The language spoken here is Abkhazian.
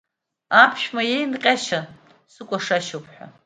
Аԥшәма иеинҟьашьа сыкәашашьоуп ҳәа…